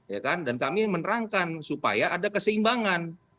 ya kan dan kami menerangkan supaya ada keseimbangan